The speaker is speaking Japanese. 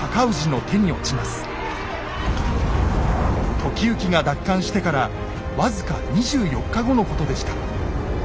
時行が奪還してから僅か２４日後のことでした。